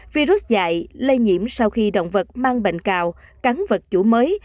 virus dạy lây nhiễm sau khi động vật mang bệnh cào cắn vật chủ mới